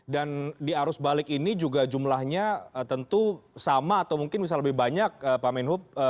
dan di arus balik ini juga jumlahnya tentu sama atau mungkin bisa lebih banyak pak menhub